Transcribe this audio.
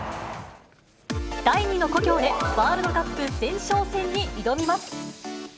第二の故郷で、ワールドカップ前哨戦に挑みます。